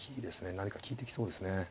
何か利いてきそうですね。